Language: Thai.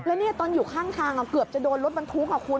แล้วตอนอยู่ข้างเกือบจะโดนรถบรรทุกของคุณ